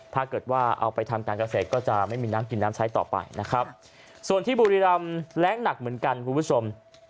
ถ้าเกิดว่าเอาไปทำการเกษตรก็จะไม่มีน้ำกินน้ำใช้ต่อไปนะครับส่วนที่บุรีรำแรงหนักเหมือนกันคุณผู้ชม